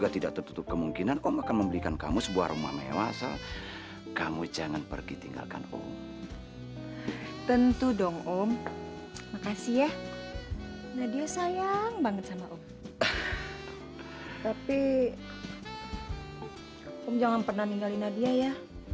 tapi jangan pernah ninggalin nadia ya